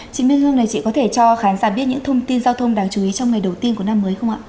chị minh hương này chị có thể cho khán giả biết những thông tin giao thông đáng chú ý trong ngày đầu tiên của năm mới không ạ